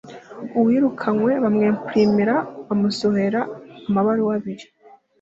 uwirukanwe bamwemprimira (bamusohorera) amabaruwa abiri